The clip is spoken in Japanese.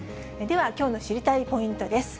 ではきょうの知りたいポイントです。